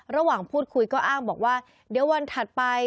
ระหว่างพูดคุยก็อ้างบอกว่าเดี๋ยววันถัดไป